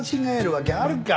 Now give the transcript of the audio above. わけあるか！